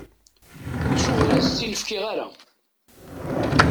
Ttuɣ ur as-tt-in-fkiɣ ara.